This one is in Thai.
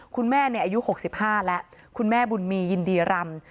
คุณแม่อายุ๖๕แล้วคุณแม่บุญมียินดีรำ